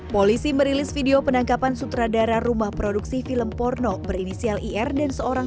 polisi merilis video penangkapan sutradara rumah produksi film porno berinisial ir dan seorang